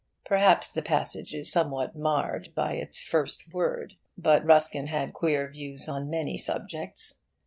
Perhaps the passage is somewhat marred by its first word. But Ruskin had queer views on many subjects.